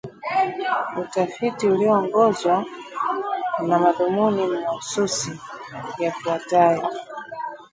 Utafiti uliongozwa na madhumuni mahsusi yafuatayo